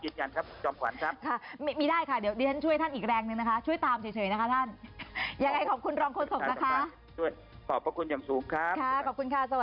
อิจฉันครับ